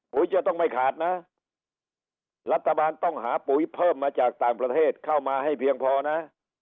จะต้องไม่ขาดนะรัฐบาลต้องหาปุ๋ยเพิ่มมาจากต่างประเทศเข้ามาให้เพียงพอนะ